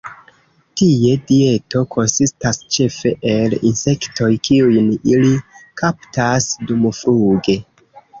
Ties dieto konsistas ĉefe el insektoj kiujn ili kaptas dumfluge.